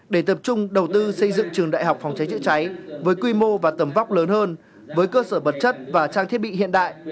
để tập trung đầu tư xây dựng trường đại học phòng cháy chữa cháy với quy mô và tầm vóc lớn hơn với cơ sở vật chất và trang thiết bị hiện đại